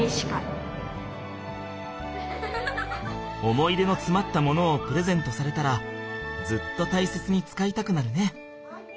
思い出のつまったものをプレゼントされたらずっと大切に使いたくなるね。